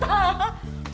gak ada temennya